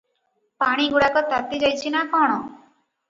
ପାଣିଗୁଡ଼ାକ ତାତିଯାଇଛି ନା କଣ?